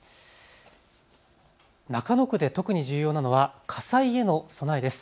中野区で特に重要なのは火災への備えです。